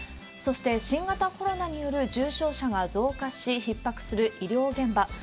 そして、新型コロナによる重症者が増加し、ひっ迫する医療現場。